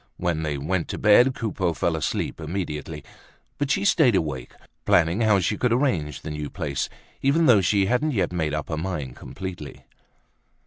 When they went to bed, Coupeau fell asleep immediately, but she stayed awake, planning how she could arrange the new place even though she hadn't yet made up her mind completely.